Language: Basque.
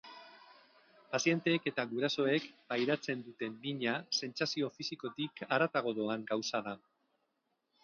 Pazienteek eta gurasoek pairatzen duten mina, sentsazio fisikotik haratago doan gauza da.